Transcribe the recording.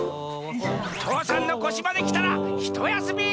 父山のこしまできたらひとやすみ！